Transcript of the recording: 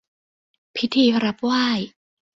พิธีรับไหว้